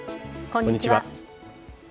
こんにちは。